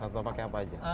atau pakai apa aja